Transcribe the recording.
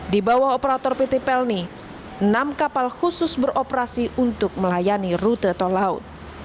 di bawah operator pt pelni enam kapal khusus beroperasi untuk melayani rute tol laut